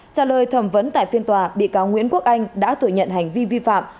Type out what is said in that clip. trả lời thẩm vấn tại phiên tòa bị cáo nguyễn quốc anh đã tội nhận hành vi vi pháp